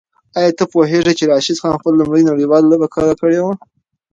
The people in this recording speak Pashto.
آیا ته پوهېږې چې راشد خان خپله لومړۍ نړیواله لوبه کله کړې وه؟